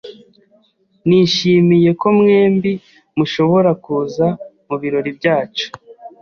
Nishimiye ko mwembi mushobora kuza mubirori byacu.